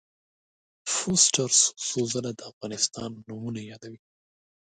فورسټر څو څو ځله د افغانستان نومونه یادوي.